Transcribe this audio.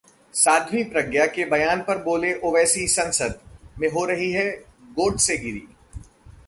साध्वी प्रज्ञा के बयान पर बोले ओवैसी- संसद में हो रही है 'गोडसेगीरी'